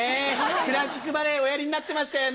クラシックバレエおやりになってましたよね。